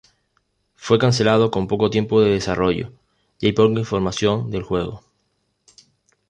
Fue cancelado con poco tiempo de desarrollo y hay poca información del juego.